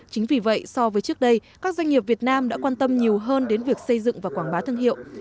chính vì vậy so với trước đây các doanh nghiệp việt nam đã quan tâm nhiều hơn đến việc xây dựng và quảng bá thương hiệu